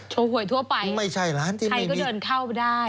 โชว์หวยทั่วไปใครก็เดินเข้าไปได้